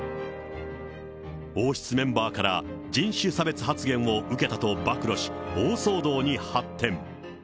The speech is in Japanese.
王室メンバーから人種差別発言を受けたと暴露し、大騒動に発展。